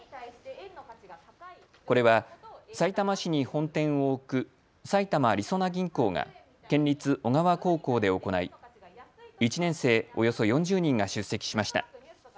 これはさいたま市に本店を置く、埼玉りそな銀行が県立小川高校で行い、１年生およそ４０人が出席しました。